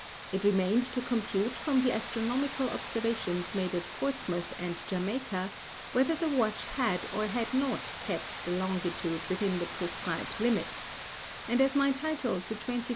It remained to compute from the Astronomical Observations made at Portsmouth and Jamaica, whether the Watch had or had not kept the Longitude within the prescribed Limits; and as my Title to 20,000_l.